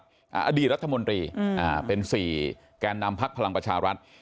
ในอดีตรรัฐมนตรีเป็น๔แกนนำภารังประชารัฐ